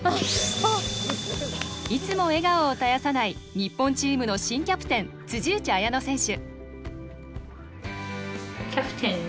いつも笑顔を絶やさない日本チームの新キャプテン辻内彩野選手。